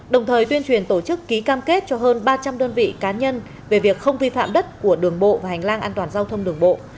đồng thời tuyên truyền tổ chức ký cam kết cho hơn ba trăm linh đơn vị cá nhân về việc không vi phạm đất của đường bộ và hành lang an toàn giao thông đường bộ